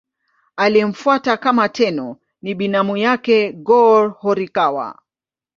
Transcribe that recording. Aliyemfuata kama Tenno ni binamu yake Go-Horikawa.